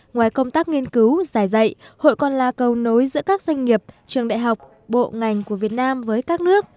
ngoài công tác nghiên cứu giải dạy hội còn là cầu nối giữa các doanh nghiệp trường đại học bộ ngành của việt nam với các nước